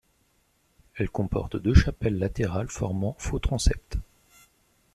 Elle comporte deux chapelles latérales formant faux transept.